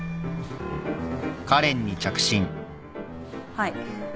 はい。